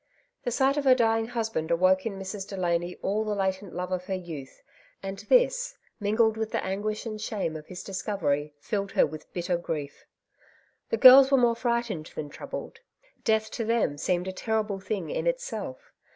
The sight of her dying husband awoke in Mrs. Delany all the latent love of her youth, and this, mingled with the anguish and shame of his dis A Dark Side of the Question. 143 covery, filled her with bitter grief; The girls were more frightened than troubled. Death to them seemed a terrible thing in itself.